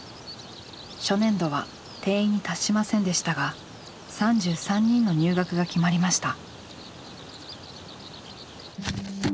初年度は定員に達しませんでしたが３３人の入学が決まりました。